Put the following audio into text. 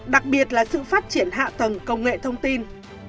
đặc biệt là sự phát triển hạ tầng công nghệ thông tin